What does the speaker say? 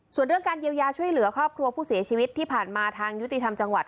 ส่วนเรื่องการเยียวยาช่วยเหลือครอบครัวผู้เสียชีวิตที่ผ่านมาทางยุติธรรมจังหวัด